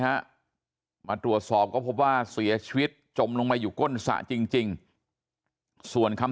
ฮะมาตรวจสอบก็พบว่าเสียชีวิตจมลงไปอยู่ก้นสระจริงจริงส่วนคำ